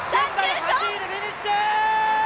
８位でフィニッシュ！